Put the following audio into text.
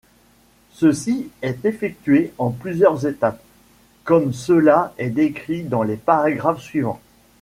Ceci est effectué en plusieurs étapes, comme cela est décrit dans les paragraphes suivants.